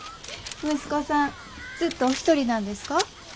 息子さんずっとお独りなんですか？